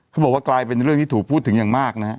เขาบอกว่ากลายเป็นเรื่องที่ถูกพูดถึงอย่างมากนะ